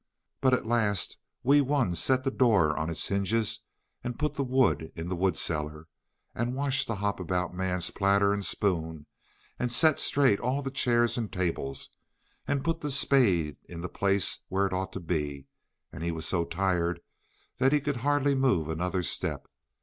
But at last Wee Wun set the door on its hinges, and put the wood in the wood cellar, and washed the Hop about Man's platter and spoon, and set straight all the chairs and tables, and put the spade in the place where it ought to be, and he was so tired that he could hardly move another step.